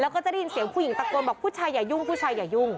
แล้วก็จะได้ยินเสียงผู้หญิงตะโกนบอกผู้ชายอย่ายุ่งผู้ชายอย่ายุ่ง